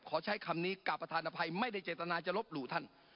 ใช้คำนี้กับประธานอภัยไม่ได้เจตนาจะลบหลู่ท่าน